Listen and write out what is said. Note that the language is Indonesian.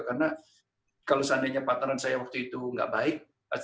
karena kalau seandainya partneran saya waktu itu tidak baik